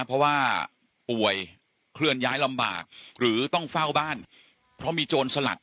เพราะว่าป่วยเคลื่อนย้ายลำบากหรือต้องเฝ้าบ้านเพราะมีโจรสลัด